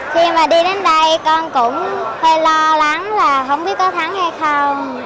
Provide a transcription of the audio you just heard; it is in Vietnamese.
khi mà đưa đến đây con cũng hơi lo lắng là không biết có thắng hay không